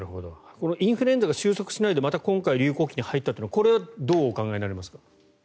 インフルエンザが収束しないでまた今回流行期に入ったというのはどうお考えになりますか？